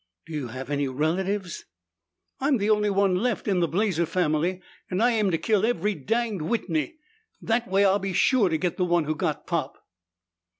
"Do you have any relatives?" "I'm the only one left in the Blazer family and I aim to kill every danged Whitney! That way I'll be sure to get the one who got Pop!"